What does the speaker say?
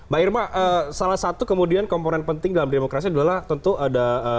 mbak irma salah satu kemudian komponen penting dalam demokrasi adalah tentu ada